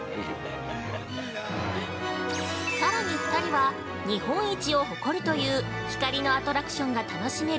◆さらに２人は、日本一を誇るという光のアトラクションが楽しめる